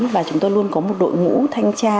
và chúng tôi luôn có một đội ngũ thanh tra